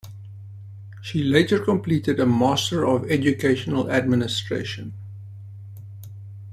She later completed a Master of Educational Administration.